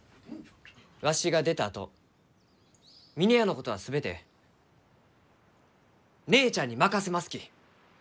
わしが出たあと峰屋のことは全て姉ちゃんに任せますき。